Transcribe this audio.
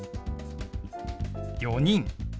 「４人」。